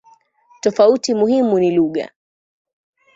Tofauti muhimu ni lugha.